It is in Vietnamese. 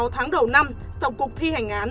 sáu tháng đầu năm tổng cục thi hành án